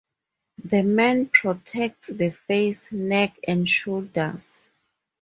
The "men" protects the face, neck, and shoulders.